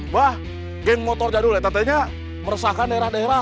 bang gang motor jadul itu tadi meresahkan daerah daerah